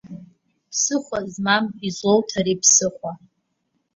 Ԥсыхәа змам излоуҭари ԥсыхәа.